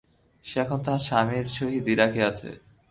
সে এখন তাহার স্বামীর সহিত ইরাকে আছে।